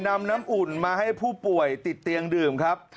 นำน้ำอุ่นมาให้ผู้ป่วยติดเตียงดื่มครับ